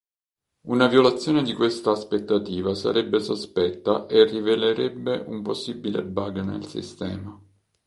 Una violazione di questa aspettativa sarebbe sospetta e rivelerebbe un possibile bug nel sistema.